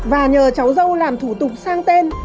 và nhờ cháu dâu làm thủ tục sang tên